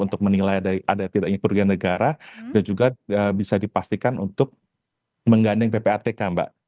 untuk menilai ada tidaknya kerugian negara dan juga bisa dipastikan untuk menggandeng ppatk mbak